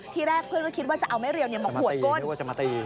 ที่แรกเพื่อนก็คิดว่าจะเอาไม่เรียวเหมือนจะมาตี